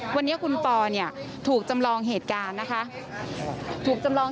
วันนี้คุณปอเนี่ยถูกจำลองเหตุการณ์นะคะถูกจำลอง